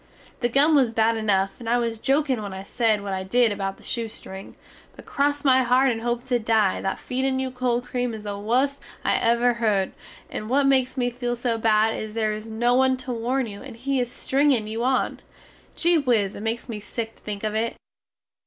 The gum was bad enuf and I was jokin when I sed what I did about the shoestring, but cross my heart and hope to dye, that feedin you cold cream is the wust I ever herd, and what makes me feel so bad is there is no one to warn you and he is stringin you on. Gee whiz, it makes me sick to think of it!